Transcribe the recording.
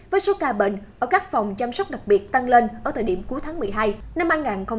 với số ca bệnh ở các phòng chăm sóc đặc biệt tăng lên ở thời điểm cuối tháng một mươi hai năm hai nghìn hai mươi